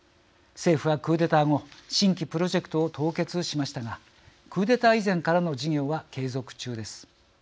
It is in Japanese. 政府はクーデター後新規プロジェクトを凍結しましたがクーデター以前からの事業は継続中です。